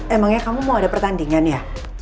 emangnya kamu mau ada pertandingan ya